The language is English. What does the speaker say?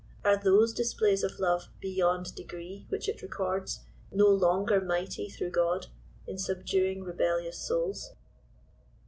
Are those displays of love beyond degree which it records, no longer mighty through God in subduing re bellious souls?